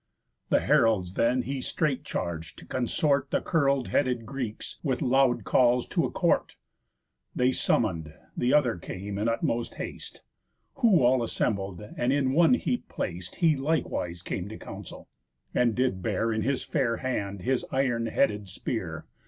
The heralds then he straight charg'd to consort The curl'd head Greeks, with loud calls, to a Court. They summon'd; th' other came in utmost haste. Who all assembled, and in one heap plac'd He likewise came to council, and did bear In his fair hand his iron headed spear.